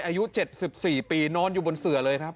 อายุ๗๔ปีนอนอยู่บนเสือเลยครับ